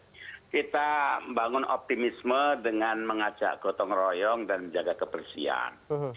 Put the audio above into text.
jadi kita bangun optimisme dengan mengajak gotong royong dan menjaga kebersihan